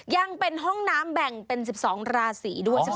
ยังเป็นห้องน้ำแบ่งเป็น๑๒ราศีด้วยใช่ไหม